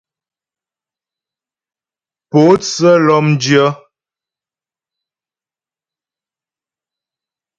Pótsə́ lɔ́mdyə́.